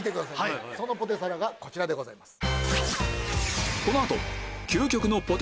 そのポテサラがこちらでございます。